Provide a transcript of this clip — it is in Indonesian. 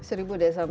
seribu desa miskin